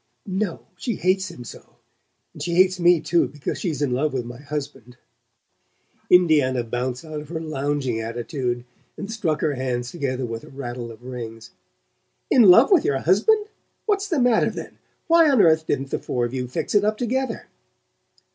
"No: she hates him so. And she hates me too, because she's in love with my husband." Indiana bounced out of her lounging attitude and struck her hands together with a rattle of rings. "In love with your husband? What's the matter, then? Why on earth didn't the four of you fix it up together?"